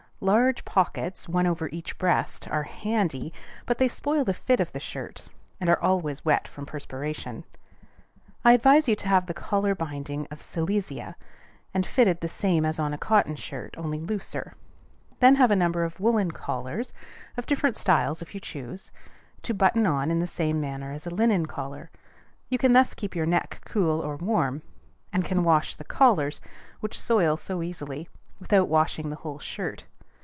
Large pockets, one over each breast, are "handy;" but they spoil the fit of the shirt, and are always wet from perspiration. I advise you to have the collar binding of silesia, and fitted the same as on a cotton shirt, only looser; then have a number of woollen collars (of different styles if you choose), to button on in the same manner as a linen collar. You can thus keep your neck cool or warm, and can wash the collars, which soil so easily, without washing the whole shirt.